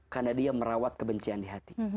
karena dia merawat kebencian di hati